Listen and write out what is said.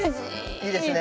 いいですね。